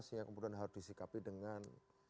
sehingga kemudian harus disikapi dengan